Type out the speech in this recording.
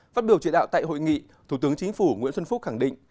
phát biểu trị đạo tại hội nghị thủ tướng chính phủ nguyễn xuân phúc khẳng định